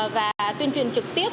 và tuyên truyền trực tiếp